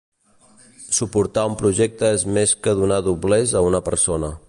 Suportar un projecte és més que donar doblers a una persona.